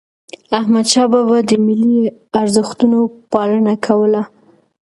احمد شاه بابا د ملي ارزښتونو پالنه کوله.